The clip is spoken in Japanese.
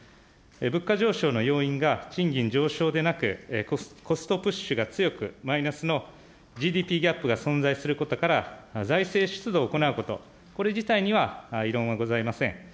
物価上昇の要因が賃金上昇でなく、コストプッシュが強く、マイナスのＧＤＰギャップが存在することから、財政出動を行うこと、これ自体には異論はございません。